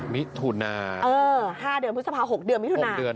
มิถุนาเออ๕เดือนพุทธภาพ๖เดือนมิถุนา